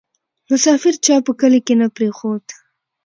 ـ مسافر چا په کلي کې نه پرېښود